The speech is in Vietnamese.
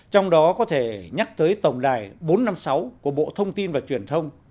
trong đó có thể nhắc tới tổng đài bốn trăm năm mươi sáu của bộ thông tin và truyền thông